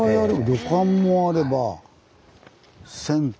旅館もあれば銭湯。